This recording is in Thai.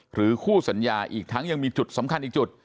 คู่สัญญาอีกทั้งยังมีจุดสำคัญอีกจุด